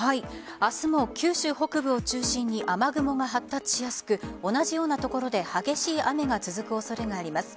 明日も九州北部を中心に雨雲が発達しやすく同じような所で激しい雨が続く恐れがあります。